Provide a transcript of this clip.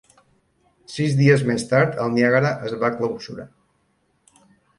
Sis dies més tard, el "Niagara" es va clausurar.